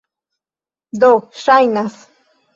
Do, ŝajnas...